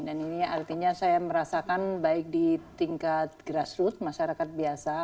dan ini artinya saya merasakan baik di tingkat grassroots masyarakat biasa